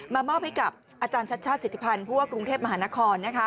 มอบให้กับอาจารย์ชัดชาติสิทธิพันธ์ผู้ว่ากรุงเทพมหานคร